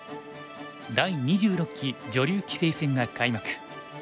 第２６期女流棋聖戦が開幕。